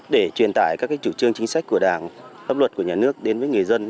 để truyền tải các chủ trương chính sách của đảng pháp luật của nhà nước đến với người dân